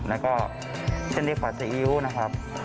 แล้วก็เส้นดีกว่าซีอิ๊วนะครับ